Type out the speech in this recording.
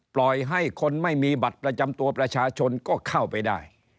ปล่อยให้คนไม่มีบัตรประจำตัวประชาชนก็เข้าไปได้